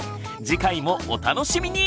次回もお楽しみに！